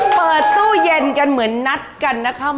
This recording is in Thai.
เปิดตู้เย็นกันเหมือนนัดกันนะคะ